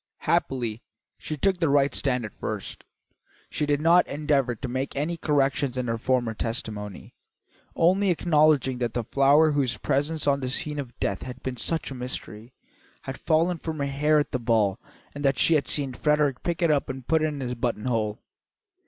Happily, she took the right stand at first. She did not endeavour to make any corrections in her former testimony, only acknowledging that the flower whose presence on the scene of death had been such a mystery, had fallen from her hair at the ball and that she had seen Frederick pick it up and put it in his buttonhole.